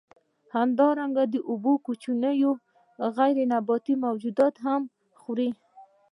همدارنګه د اوبو کوچني غیر نباتي موجودات هم خوري.